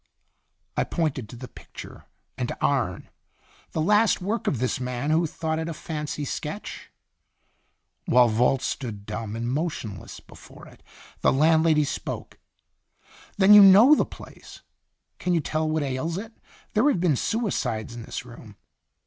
I pointed to the picture and to Arne. " The last work of this man, who thought it a fancy sketch?" While Volz stood dumb and motionless be fore it, the landlady spoke : "Then you know the place. Can you tell what ails it? There have been suicides in this room.